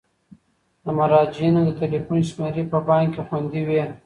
د مراجعینو د تلیفون شمیرې په بانک کې خوندي وي.